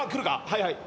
はい！